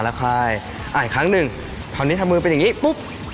แล้วค่ายอ่านอีกครั้งหนึ่งคราวนี้ทำมือเป็นอย่างนี้ปุ๊บ